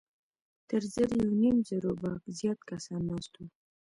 تر زر يونيم زرو به زيات کسان ناست وو.